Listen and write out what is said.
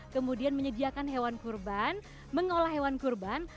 kemudian menyediakan hewan kurban mengolah hewan kurban